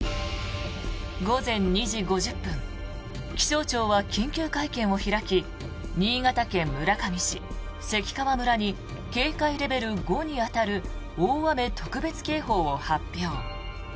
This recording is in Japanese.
午前２時５０分気象庁は緊急会見を開き新潟県村上市、関川村に警戒レベル５に当たる大雨特別警報を発表。